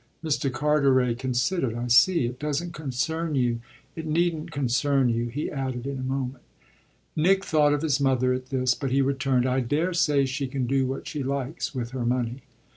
Mr. Carteret considered. "I see. It doesn't concern you. It needn't concern you," he added in a moment. Nick thought of his mother at this, but he returned: "I daresay she can do what she likes with her money."